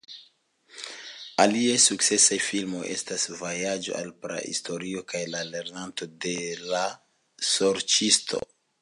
Aliaj sukcesaj filmoj estas "Vojaĝo al Prahistorio" kaj "La Lernanto de l' Sorĉisto"